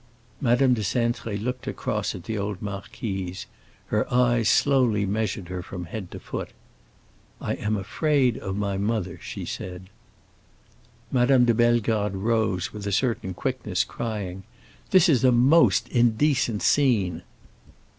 Madame de Cintré looked across at the old marquise; her eyes slowly measured her from head to foot. "I am afraid of my mother," she said. Madame de Bellegarde rose with a certain quickness, crying, "This is a most indecent scene!"